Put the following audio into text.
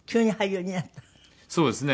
そうですね。